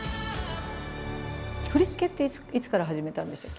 振り付けっていつから始めたんでしたっけ？